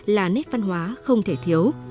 là nét văn hóa không thể thiếu